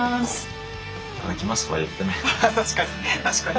確かに。